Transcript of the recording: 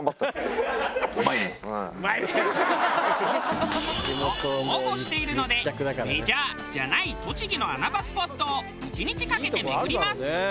「“うまいね”」「ハハハハ！」と豪語しているのでメジャーじゃない栃木の穴場スポットを１日かけて巡ります。